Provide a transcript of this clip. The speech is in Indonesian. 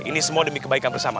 ini semua demi kebaikan bersama